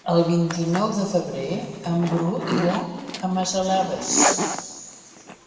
El vint-i-nou de febrer en Bru irà a Massalavés.